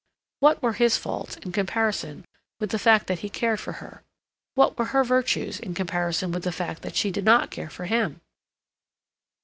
What were his faults in comparison with the fact that he cared for her? What were her virtues in comparison with the fact that she did not care for him?